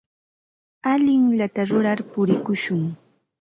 Allinllata rurar purikushun.